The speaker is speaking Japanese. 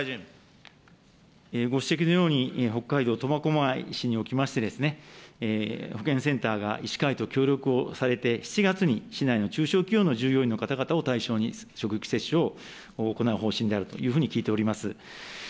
ご指摘のように、北海道苫小牧市におきまして、保健センターが医師会と協力をされて、７月に市内の中小企業の従業員の方々を対象に、職域接種を行う方針であるというふうに聞いております。